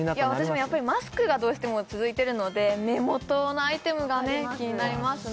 やっぱりマスクがどうしても続いてるので目元のアイテムがね気になりますね